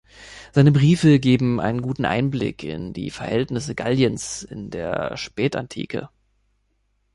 Seine Briefe geben einen guten Einblick in die Verhältnisse Galliens in der Spätantike.